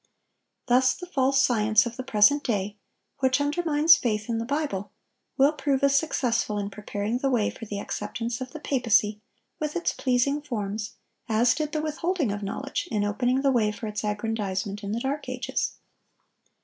Thus the false science of the present day, which undermines faith in the Bible, will prove as successful in preparing the way for the acceptance of the papacy, with its pleasing forms, as did the withholding of knowledge in opening the way for its aggrandizement in the Dark Ages.